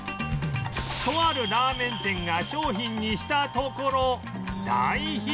とあるラーメン店が商品にしたところ大ヒット